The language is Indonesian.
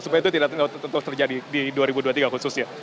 supaya itu tidak tentu terjadi di dua ribu dua puluh tiga khususnya